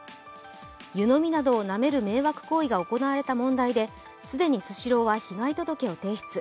湯飲みなどをなめる迷惑行為が行われた問題で既にスシローは被害届を提出。